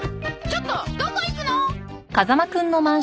ちょっとどこ行くの？